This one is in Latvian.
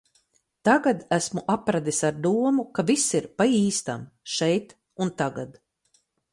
Tagad esmu apradis ar domu, ka viss ir pa īstam, šeit un tagad.